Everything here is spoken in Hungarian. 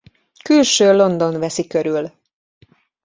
Külső-London veszi körül.